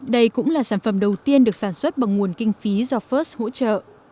đây cũng là sản phẩm đầu tiên được sản xuất bằng nguồn kinh phí do first hỗ trợ